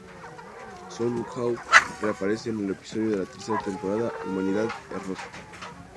Soundwave reaparece en el episodio de la tercera temporada "Humanidad Error".